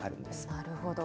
なるほど。